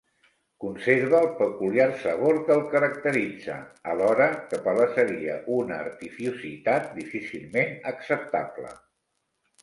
Conserve el peculiar sabor que el caracteritza, alhora que palesaria una artificiositat difícilment acceptable.